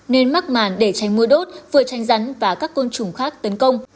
nên mắc màn để tranh mưa đốt vừa tranh rắn và các côn trùng khác tấn công